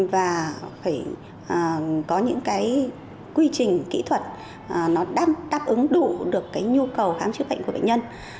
và phải có những quy trình kỹ thuật đáp ứng đủ được nhu cầu khám chứa bệnh của bệnh nhân